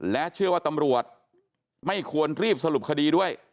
และเชื่อว่าตำรวจไม่ควรรีบสรุปคดีด้วย